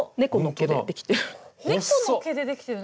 猫の毛でできてる。